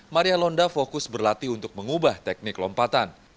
maria londa fokus berlatih untuk mengubah teknik lompatan